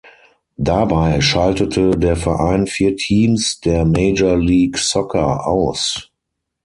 Dabei schaltete der Verein vier Teams der Major League Soccer aus.